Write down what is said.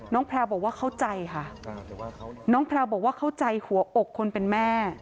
แพลวบอกว่าเข้าใจค่ะน้องแพลวบอกว่าเข้าใจหัวอกคนเป็นแม่